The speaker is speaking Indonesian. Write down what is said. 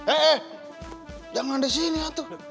eh eh jangan di sini atu